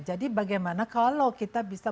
jadi bagaimana kalau kita bisa